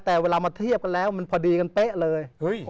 แต่เวลามาเทียบกันแล้วมันพอดีกันเป๊ะเลย